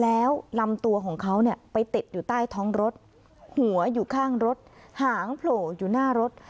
แล้วลำตัวของเขาเนี่ยไปติดอยู่ใต้ท้องรถหัวอยู่ข้างรถหางโผล่อยู่หน้ารถ